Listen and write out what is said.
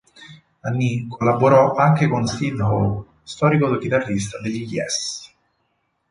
Annie collaborò anche con Steve Howe, storico chitarrista degli Yes.